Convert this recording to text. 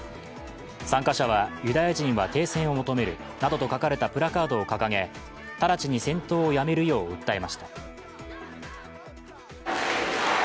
参加者は、ユダヤ人は停戦を求めるなどと書かれたプラカードを掲げ直ちに戦闘をやめるよう訴えました。